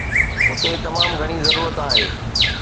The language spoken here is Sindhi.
هتي تمام گهڻي ضرورت آهي.